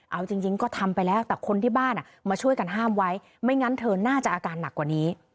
เอาจริงก็ทำไปแล้วแต่คนที่บ้านมาช่วยกันห้ามไว้ไม่งั้นเธอน่าจะอาการหนักกว่านี้